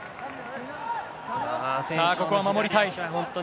ここは守りたい。